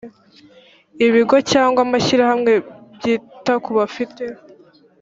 ibigo cyangwa amashyirahamwe byita ku bafite